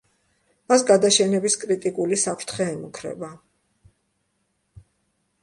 მას გადაშენების კრიტიკული საფრთხე ემუქრება.